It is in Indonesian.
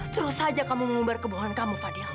terus aja kamu mengubah kebohongan kamu fadil